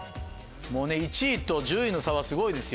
もうね１位と１０位の差はすごいですよ